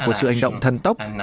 của sự ảnh động thân tốc